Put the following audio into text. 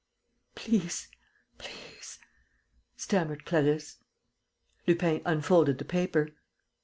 "Please, please ..." stammered Clarisse. Lupin unfolded the paper.